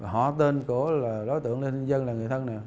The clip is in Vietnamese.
họ tên của đối tượng nạn nhân là người thân nè